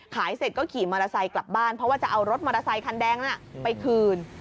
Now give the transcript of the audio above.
เสร็จก็ขี่มอเตอร์ไซค์กลับบ้านเพราะว่าจะเอารถมอเตอร์ไซคันแดงไปคืน